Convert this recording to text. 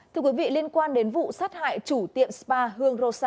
thưa quý vị liên quan đến vụ sát hại chủ tiệm spa hương rosa